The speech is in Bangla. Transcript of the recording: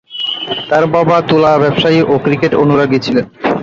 তার বাবা তুলা ব্যবসায়ী ও ক্রিকেট অনুরাগী ছিলেন।